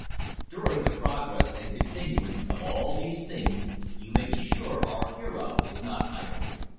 During the progress and continuance of all these things, you may be sure our hero was not idle.